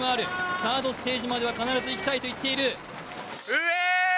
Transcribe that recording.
サードステージまでは必ず行きたいと言っている。